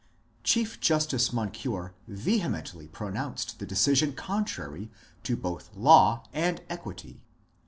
Chief Justice Moncure vehemently pronounced the decision contrary to both law and equity.